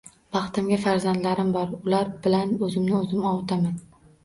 Baxtimga farzandlarim bor ular bilan oʻzimni oʻzim ovutaman...